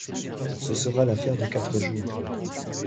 Ce sera l’affaire de quatre jours.